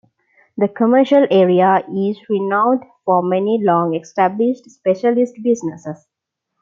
The commercial area is renowned for many long established specialist businesses.